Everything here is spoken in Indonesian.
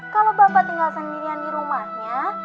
kalau bapak tinggal sendirian di rumahnya